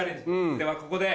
ではここで。